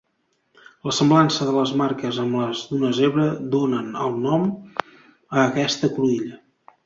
La semblança de les marques amb les d'una zebra donen el nom a aquesta cruïlla.